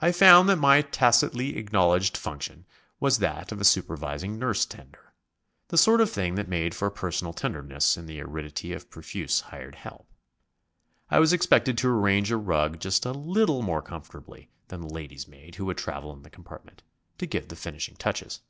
I found that my tacitly acknowledged function was that of supervising nurse tender, the sort of thing that made for personal tenderness in the aridity of profuse hired help. I was expected to arrange a rug just a little more comfortably than the lady's maid who would travel in the compartment to give the finishing touches.